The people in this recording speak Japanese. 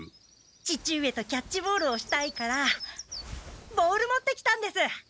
父上とキャッチボールをしたいからボール持ってきたんです。